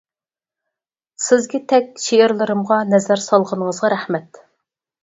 سىزگە تەك. شېئىرلىرىمغا نەزەر سالغىنىڭىزغا رەھمەت.